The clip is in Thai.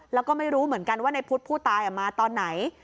แล้วก็ไม่รู้เหมือนกันว่าในพุทธผู้ตายมาตอนไหน